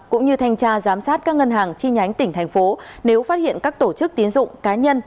cũng như thanh tra giám sát các ngân hàng chi nhánh tỉnh thành phố nếu phát hiện các tổ chức tiến dụng cá nhân